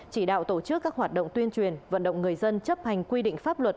chỉ đạo tổ chức các hoạt động tuyên truyền vận động người dân chấp hành quy định pháp luật